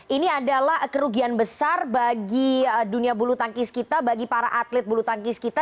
ini adalah kerugian besar bagi dunia bulu tangkis kita bagi para atlet bulu tangkis kita